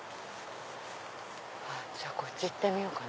じゃあこっち行ってみようかな。